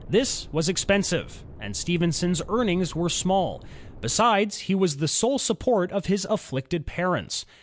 This was expensive, and Stephenson's earnings were small. Besides, he was the sole support of his afiiicted parents.